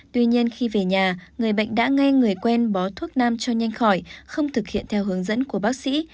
tuy nhiên khi về nhà người bệnh đã nghe người quen bó thuốc nam cho nhanh khỏi không thực hiện theo hướng dẫn của bác sĩ